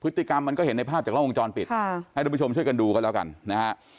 พฤติกรรมมันก็เห็นในภาพจากล้องวงจรปิดให้ทุกผู้ชมช่วยกันดูกันแล้วกันนะฮะ